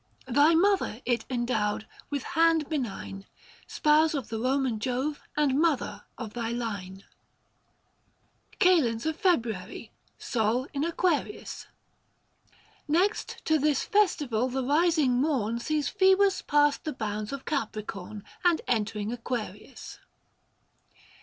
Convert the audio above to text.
Thy mother it endowed, with hand benign, Spouse of the Koman Jove and mother of thy line. 700 XVI. KAL. FEB. SOL IN AQUARIUS. Next to this festival the rising morn Sees Phoebus passed the bounds of Capricorn And entering Aquarius.